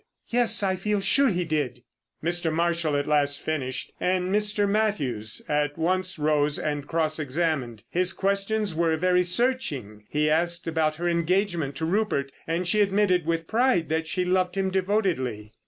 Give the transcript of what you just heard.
"Yes, I feel sure he did." Mr. Marshall at last finished, and Mr. Mathews at once rose and cross examined. His questions were very searching; he asked about her engagement to Rupert, and she admitted with pride that she loved him devotedly.